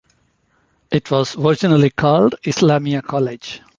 It was originally called Islamia College.